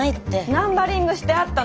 ナンバリングしてあったの！